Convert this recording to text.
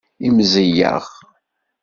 Imẓiyeɣ.